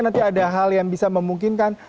nanti ada hal yang bisa memungkinkan